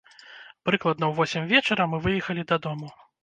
Прыкладна ў восем вечара мы выехалі дадому.